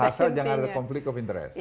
asal jangan ada konflik of interest